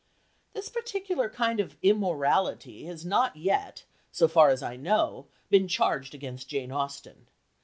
This particular kind of immorality has not yet, so far as I know, been charged against Jane Austen.